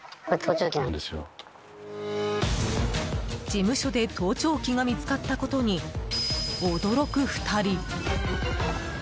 事務所で盗聴器が見つかったことに、驚く２人。